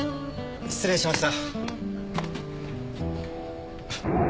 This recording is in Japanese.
失礼しました。